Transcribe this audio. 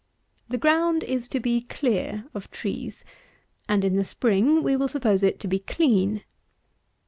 The ground is to be clear of trees; and, in the spring, we will suppose it to be clean.